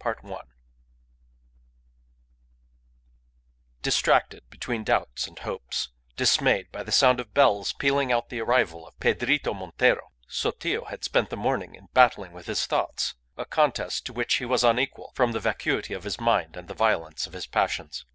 CHAPTER NINE Distracted between doubts and hopes, dismayed by the sound of bells pealing out the arrival of Pedrito Montero, Sotillo had spent the morning in battling with his thoughts; a contest to which he was unequal, from the vacuity of his mind and the violence of his passions.